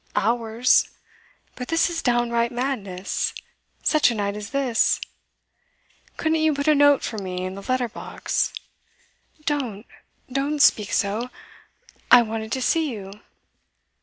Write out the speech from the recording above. Hours? But this is downright madness such a night as this! Couldn't you put a note for me in the letter box?' 'Don't don't speak so! I wanted to see you.